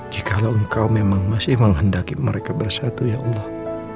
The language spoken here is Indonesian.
jikalau engkau memang masih menghendaki mereka bersatu ya allah